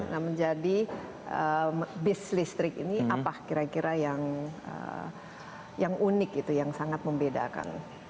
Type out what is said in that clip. nah menjadi bis listrik ini apa kira kira yang unik gitu yang sangat membedakan